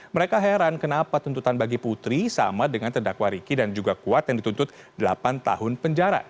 mereka heran kenapa tuntutan bagi putri sama dengan terdakwa riki dan juga kuat yang dituntut delapan tahun penjara